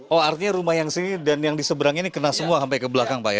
oh artinya rumah yang sini dan yang diseberang ini kena semua sampai ke belakang pak ya